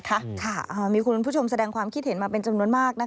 คุณผู้ชมมีคุณผู้ชมแสดงความคิดเห็นมาเป็นจำนวนมาก